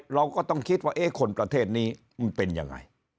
เราก็ต้องคิดว่าคนประเทศนี้มันเป็นยังไง